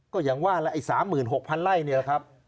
ก็อย่างว่า๓๖๐๐๐ไล่นี่แหละครับ